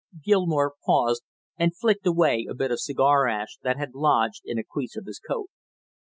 Gilmore paused, and flicked away a bit of cigar ash that had lodged in a crease of his coat.